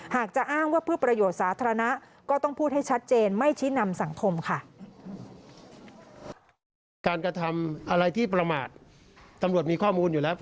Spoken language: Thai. หากจะอ้างว่าเพื่อประโยชน์สาธารณะ